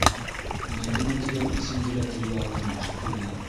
Мәҙинә тигән исемде лә телгә алдың, шикелле.